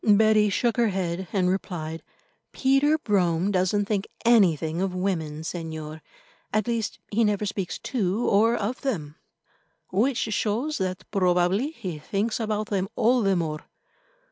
Betty shook her head, and replied: "Peter Brome doesn't think anything of women, Señor. At least he never speaks to or of them." "Which shows that probably he thinks about them all the more.